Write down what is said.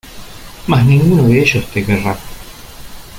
Mas ninguno de ellos te querrá